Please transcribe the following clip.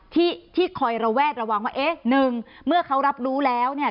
ที่ที่คอยระแวดระวังว่าเอ๊ะหนึ่งเมื่อเขารับรู้แล้วเนี่ย